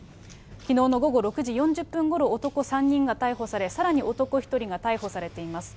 きのうの午後６時４０分ごろ、男３人が逮捕され、さらに男１人が逮捕されています。